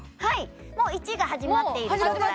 もう１が始まっている状態